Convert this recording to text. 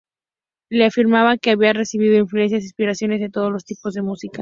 Lee afirmaba que había recibido influencias e inspiración de todos los tipos de música.